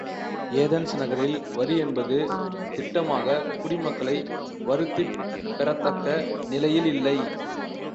Athens நகரில் வரி என்பது திட்டமாகக் குடிமக்களை வருத்திப் பெறத்தக்க நிலையில் இல்லை.